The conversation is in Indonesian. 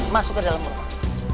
masuk ke dalam rumah